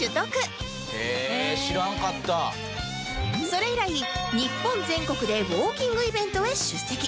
それ以来日本全国でウオーキングイベントへ出席